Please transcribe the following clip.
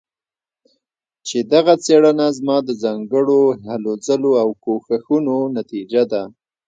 چې دغه څيړنه زما د ځانګړو هلو ځلو او کوښښونو نتيجه ده